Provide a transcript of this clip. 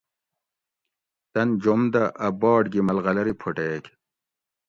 تۤن جوم دہ اۤ باٹ گی ملغلری پھوٹیگ